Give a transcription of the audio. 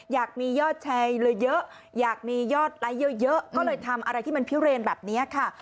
อยากมียอดแชร์เยอะอยากมียอดไลค์เยอะก็เลยทำอะไรที่มันพิเรนแบบนี้ค่ะ